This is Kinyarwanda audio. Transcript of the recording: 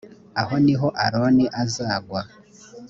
aho ni ho aroni azagwa.